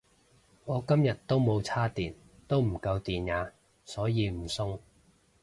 我今日都冇叉電都唔夠電呀所以唔送